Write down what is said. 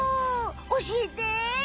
おしえて！